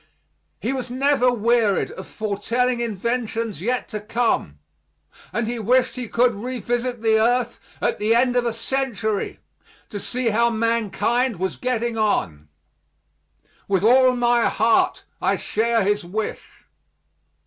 He was never wearied of foretelling inventions yet to come, and he wished he could revisit the earth at the end of a century to see how mankind was getting on. With all my heart I share his wish.